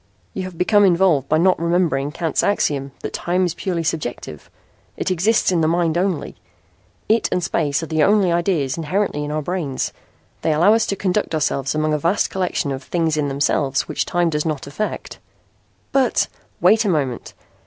You have become involved by not remembering Kant's axiom that time is purely subjective. It exists in the mind only. It and space are the only ideas inherently in our brains. They allow us to conduct ourselves among a vast collection of things in themselves which time does not affect." "But " "Wait a moment.